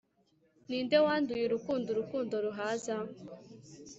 ninde wanduye urukundo, urukundo ruhaza